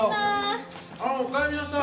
あっおかえりなさい！